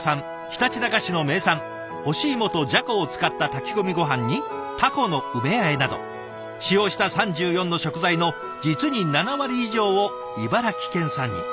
ひたちなか市の名産干しいもとじゃこを使った炊き込みごはんにタコの梅あえなど使用した３４の食材の実に７割以上を茨城県産に。